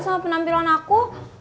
sama penampilan aku